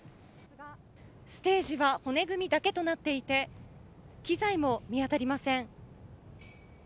ステージが骨組みだけとなっていて機材も見当たりません。